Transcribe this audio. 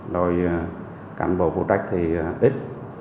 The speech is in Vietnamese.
rồi cảnh bộ phụ trách thì ít